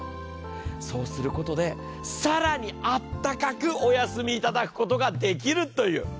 そうすることで更にあったかくおやすみいただくことができるという。